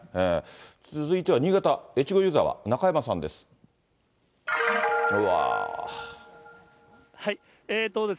続いては新潟・越後湯沢、中山さんです。